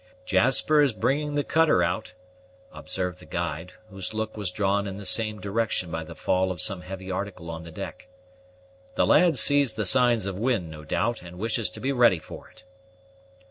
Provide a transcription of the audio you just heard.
"Jasper is bringing the cutter out," observed the guide, whose look was drawn in the same direction by the fall of some heavy article on the deck. "The lad sees the signs of wind, no doubt, and wishes to be ready for it."